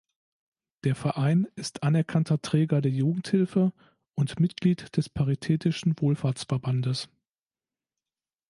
Der Verein ist anerkannter Träger der Jugendhilfe und Mitglied des Paritätischen Wohlfahrtsverbandes.